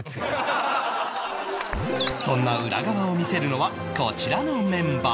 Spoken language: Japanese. そんな裏側を見せるのはこちらのメンバー